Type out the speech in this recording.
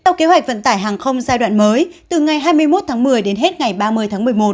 theo kế hoạch vận tải hàng không giai đoạn mới từ ngày hai mươi một tháng một mươi đến hết ngày ba mươi tháng một mươi một